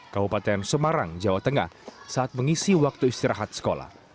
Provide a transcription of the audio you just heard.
kabupaten semarang jawa tengah saat mengisi waktu istirahat sekolah